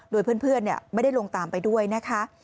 โดยเพื่อนไม่ได้ลงตามไปด้วยนะคะ